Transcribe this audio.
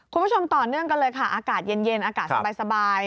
คุณผู้ชมต่อเนื่องกันเลยค่ะอากาศเย็นอากาศสบาย